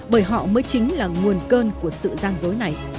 bởi họ mới chính là nguồn cơn của sự gian dối này